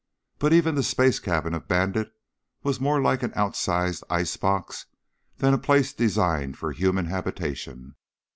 But even the space cabin of Bandit was more like an outsized icebox than a place designed for human habitation.